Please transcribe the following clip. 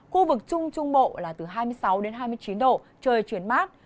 khu vực trung trung bộ là từ hai mươi sáu đến hai mươi chín độ trời chuyển mát